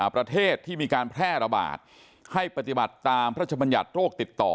ประเทศที่มีการแพร่ระบาดให้ปฏิบัติตามพระชบัญญัติโรคติดต่อ